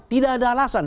tidak ada alasan